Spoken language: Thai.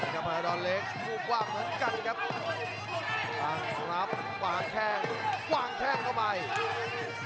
ยับยับขยับเข้ามาแล้วทิ้งให้มันขวาโอ้โห